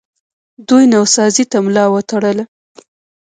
دوی نوسازۍ ته ملا وتړله